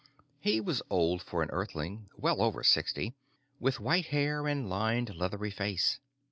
He was old for an Earthling, well over sixty, with white hair and lined leathery face.